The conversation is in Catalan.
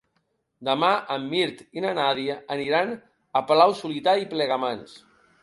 Demà en Mirt i na Nàdia aniran a Palau-solità i Plegamans.